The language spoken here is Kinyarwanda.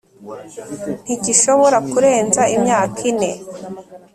Ntigishobora kurenza imyaka ine